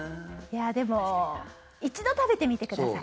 でも一度、食べてみてください。